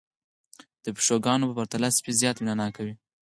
د پيشوګانو په پرتله سپي زيات مينه ناک وي